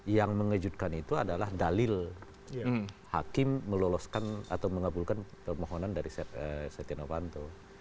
yang mengejutkan itu adalah dalil hakim meloloskan atau mengabulkan permohonan dari setia novanto